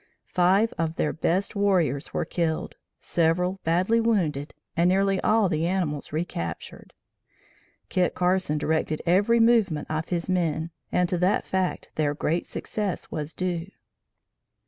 Five of their best warriors were killed, several badly wounded and nearly all the animals recaptured. Kit Carson directed every movement of his men and to that fact their great success was due.